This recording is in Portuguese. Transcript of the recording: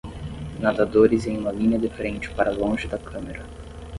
Nadadores em uma linha de frente para longe da câmera